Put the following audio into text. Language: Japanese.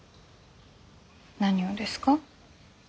何をですか？